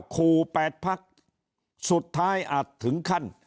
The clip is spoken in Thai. ครูแปดพักต์สุดท้ายอัดถึงขั้น